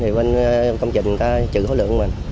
thì bên công trình người ta trừ khối lượng của mình